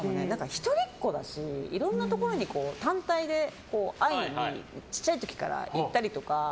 一人っ子だしいろんなところに単体で小さい時から会いに行ったりとか。